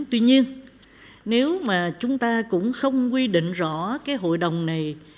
tuy nhiên nếu mà chúng ta cũng không quy định rõ cái hội đồng này